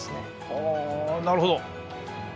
はあなるほど！